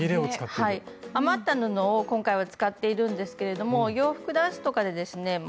余った布を今回は使っているんですけど洋服だんすとかでですね